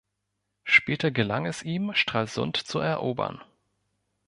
Später gelang es ihm, Stralsund zu erobern.